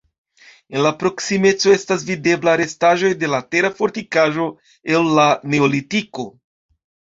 En la proksimeco estas videbla restaĵoj de tera fortikaĵo el la neolitiko.